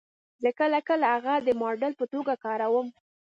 زه کله کله هغه د ماډل په توګه کاروم